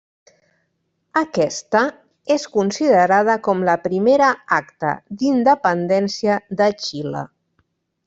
Aquesta és considerada com la primera acta d'independència de Xile.